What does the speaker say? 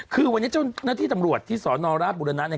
คือวันนี้จ้อหน้าที่ตำรวจที่สรบุราณะ